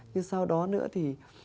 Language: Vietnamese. nhưng sau đó nữa thì